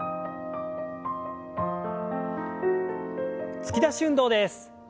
突き出し運動です。